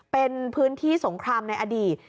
เป็นพื้นที่สงครามในอดีต